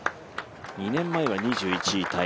２年前は２１位タイ。